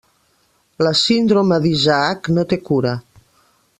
La síndrome d'Isaac no té cura.